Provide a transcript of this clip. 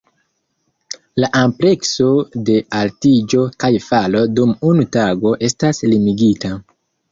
La amplekso de altiĝo kaj falo dum unu tago estas limigita.